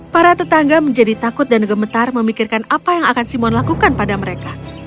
para tetangga menjadi takut dan gemetar memikirkan apa yang akan simon lakukan pada mereka